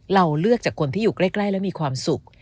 เราเลือกจากคนที่อยู่ใกล้แล้วมีความสุข